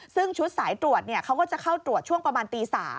ซึ่งชุดสายตรวจเขาก็จะเข้าตรวจช่วงประมาณตี๓